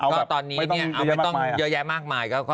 เอาแบบไม่ต้องเยอะแยะมากมาย